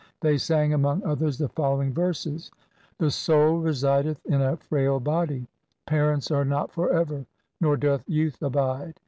They sang among others the following verses :— The soul resideth in a frail body. Parents are not for ever, nor doth youth abide.